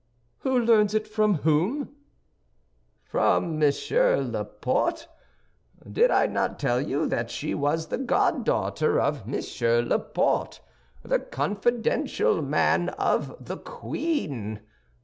"Who learns it from whom?" "From Monsieur Laporte. Did I not tell you that she was the goddaughter of Monsieur Laporte, the confidential man of the queen?